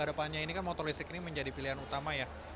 jadi kita menggunakan motor listrik ini menjadi pilihan utama ya